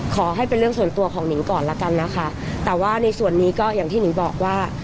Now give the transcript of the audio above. ขอให้เป็นเรื่องส่วนตัวของหนิงก่อนละกันนะคะแต่ว่าในส่วนนี้ก็อย่างที่หนิงบอกว่า